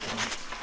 あ。